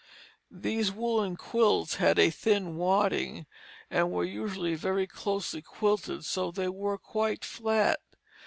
These woollen quilts had a thin wadding, and were usually very closely quilted, so they were quite flat.